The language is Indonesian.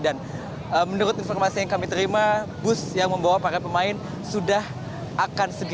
dan menurut informasi yang kami terima bus yang membawa para pemain sudah akan selesai